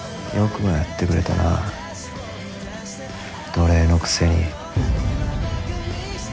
よくもやってくれたな奴隷のくせに。